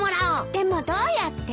でもどうやって？